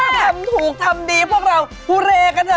ถ้าทำถูกทำดีพวกเราฮุเรกันเถ